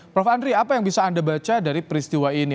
prof andri apa yang bisa anda baca dari peristiwa ini